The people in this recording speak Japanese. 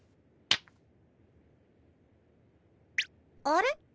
あれ？